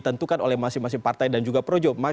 ditentukan oleh masing masing partai dan juga projo